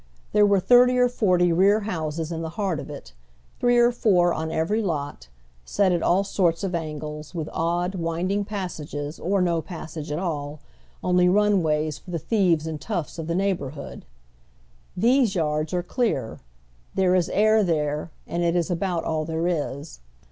There were thirty or forty rear houses in the heart of it, three or four on every lot, set at all sorts of angles, with odd, oy Google THE COMMON HEED. winding passages, or no passage at all, only " runways " for the thieves and toughs of the neighborhood. These yards are clear. Tiiere ia air there, and it is abont all there is.